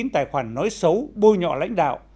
một trăm năm mươi chín tài khoản nói xấu bôi nhọ lãnh đạo